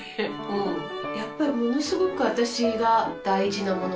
やっぱりものすごく私が大事なもの。